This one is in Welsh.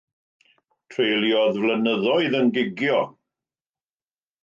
Treuliodd flynyddoedd yn gigio.